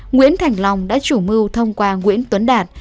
nguyễn thành long đã chủ mưu thông qua nguyễn tuấn đạt